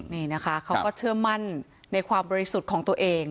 นี่นะคะเขาก็เชื่อมั่นในความบริสุทธิ์ของตัวเอง